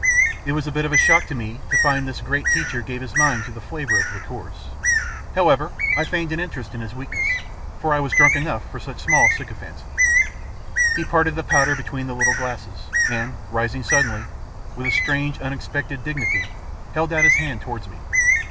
It was a bit of a shock to me to find this great teacher gave his mind to the flavour of liqueurs. However, I feigned a great interest in his weakness, for I was drunk enough for such small sycophancy. He parted the powder between the little glasses, and, rising suddenly, with a strange unexpected dignity, held out his hand towards me.